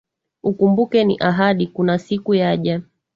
Ukumbuke ni ahadi, kuna siku yaja